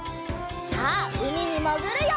さあうみにもぐるよ！